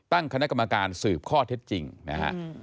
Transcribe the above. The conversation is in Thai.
ตั้งคณะกรรมการสืบข้อเท็จจริงนะฮะ